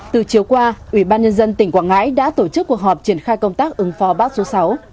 từ chiều qua ủy ban nhân dân tỉnh quảng ngãi đã tổ chức cuộc họp triển khai công tác ứng phó bão số sáu